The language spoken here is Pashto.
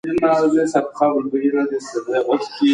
ګنجوالي بېلابېل علتونه لري.